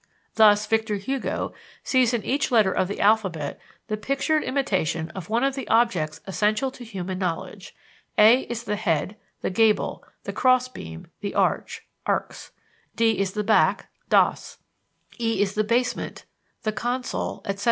Thus, Victor Hugo sees in each letter of the alphabet the pictured imitation of one of the objects essential to human knowledge: "A is the head, the gable, the cross beam, the arch, arx; D is the back, dos; E is the basement, the console, etc.